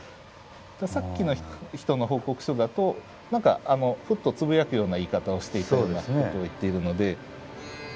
さっきの人の報告書だと何かふっとつぶやくような言い方をしていたようなことを言っているので。